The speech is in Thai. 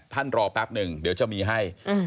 รอแป๊บหนึ่งเดี๋ยวจะมีให้